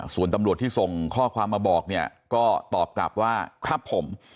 ส่วนตำรวจที่ส่งข้อความมาบอกเนี่ยก็ตอบกลับว่าครับผม